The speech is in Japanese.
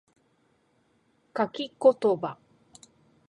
書き言葉